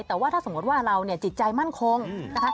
แต่ว่าถ้าสมมติว่าเราเนี่ยจิตใจมั่นคงนะคะ